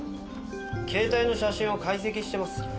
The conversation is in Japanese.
携帯の写真を解析してます。